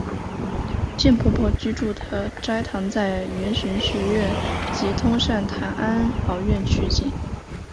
贱婆婆居住的斋堂在圆玄学院及通善坛安老院取景。